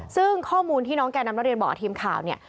ซึ่งข้อมูลที่น้องแก่นำนักเรียนบอกกับทีมข่าวเนี่ย